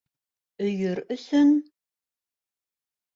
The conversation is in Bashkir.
— Өйөр өсөн!